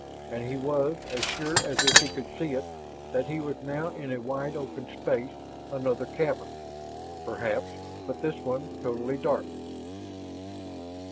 And he was as sure as if he could see it, that he was now in a wide open space, another cavern; perhaps, but this one totally dark.